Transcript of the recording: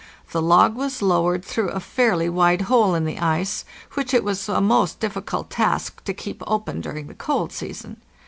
The log was lowered through a fairly wide hole in the ice, which it was a most difficult task to keep open during the cold season.